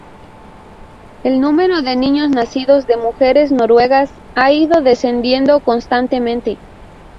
El número de niños nacidos de mujeres noruegas ha ido descendiendo constantemente.